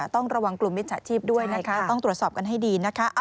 ต้องระวังกลุ่มมิจฉาชีพด้วยนะคะต้องตรวจสอบกันให้ดีนะคะ